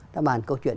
đã bàn câu chuyện